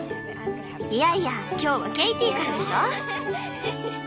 いやいや今日はケイティからでしょ。